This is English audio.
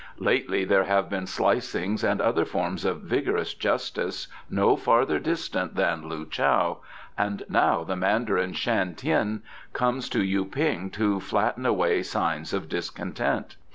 Lately there have been slicings and other forms of vigorous justice no farther distant than Loo chow, and now the Mandarin Shan Tien comes to Yu ping to flatten any signs of discontent.